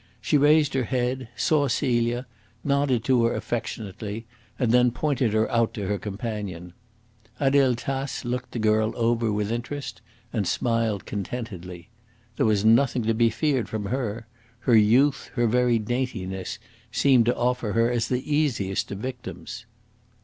She raised her head, saw Celia, nodded to her affectionately, and then pointed her out to her companion. Adele Tace looked the girl over with interest and smiled contentedly. There was nothing to be feared from her. Her youth, her very daintiness, seemed to offer her as the easiest of victims.